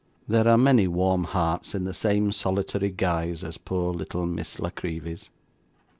There are many warm hearts in the same solitary guise as poor little Miss La Creevy's.